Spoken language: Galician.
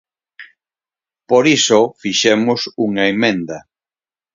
Por iso fixemos unha emenda.